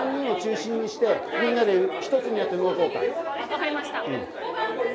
分かりました。